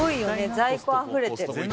在庫あふれてる。